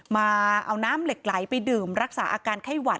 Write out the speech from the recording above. มาเอาน้ำเหล็กไหลไปดื่มรักษาอาการไข้หวัด